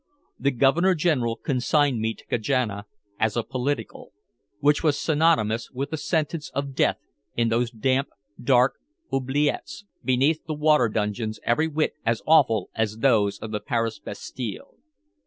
The Governor General consigned me to Kajana as a "political," which was synonymous with a sentence of death in those damp, dark oubliettes beneath the water dungeons every whit as awful as those of the Paris Bastile.